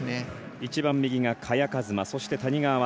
一番右が萱和磨そして谷川航